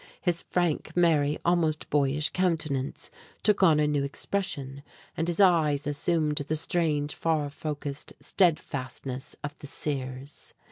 His frank, merry, almost boyish countenance took on a new expression, and his eyes assumed the strange, far focused steadfastness of the seer's.